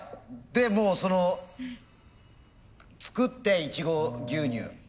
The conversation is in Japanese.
でもうその作ってイチゴ牛乳。